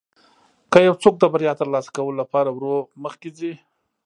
که یو څوک د بریا ترلاسه کولو لپاره ورو مخکې ځي.